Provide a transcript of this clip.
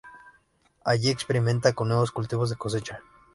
Allí experimenta con nuevos cultivos de cosecha.